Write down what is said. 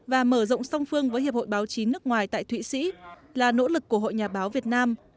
và mở rộng song phương với hiệp hội báo chí nước ngoài tại thụy sĩ là nỗ lực của hội nhà báo việt nam